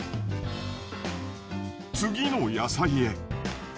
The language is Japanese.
次の野菜へ。